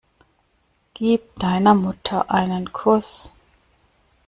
Gib deiner Mutter einen Kuss.